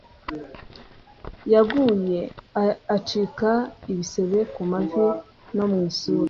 Yaguye acika ibisebe kumavi no mu isura